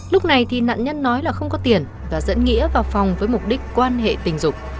lúc này thì nạn nhân nói là không có tiền và dẫn nghĩa vào phòng với mục đích quan hệ tình dục